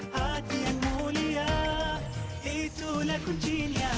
hati yang mulia itulah kuncinya